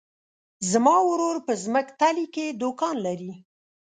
زما ورور په ځمکتلي کې دوکان لری.